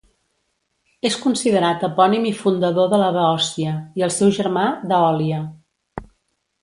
És considerat epònim i fundador de la Beòcia i el seu germà, d'Eòlia.